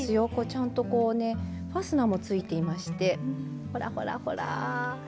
ちゃんとこうねファスナーも付いていましてほらほらほら。